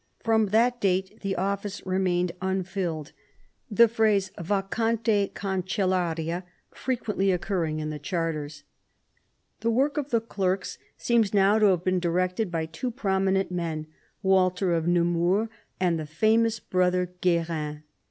From that date the office remained unfilled, the phrase vacante cancellaria frequently occurring in the charters. v THE ADVANCE OF THE MONARCHY 129 The work of the clerks seems now to have been directed by two prominent men, Walter of Nemours and the famous brother G uerin.